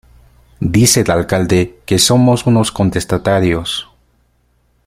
Dice el alcalde que somos unos contestatarios.